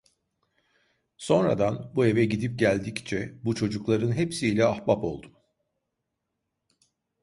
Sonradan, bu eve gidip geldikçe, bu çocukların hepsiyle ahbap oldum.